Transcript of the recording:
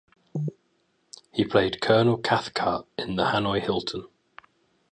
He played Colonel Cathcart in "the Hanoi Hilton".